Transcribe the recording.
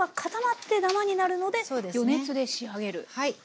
はい。